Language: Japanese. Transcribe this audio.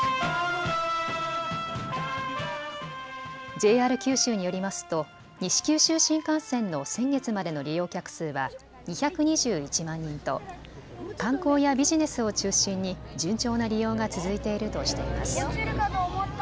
ＪＲ九州によりますと西九州新幹線の先月までの利用客数は２２１万人と観光やビジネスを中心に順調な利用が続いているとしています。